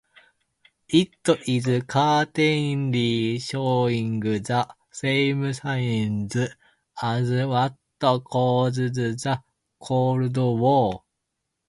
It is certainly showing the same signs as what caused the Cold War.